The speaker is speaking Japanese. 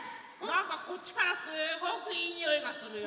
こっちからすっごくいいにおいがするよ。